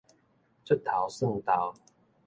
出頭繏脰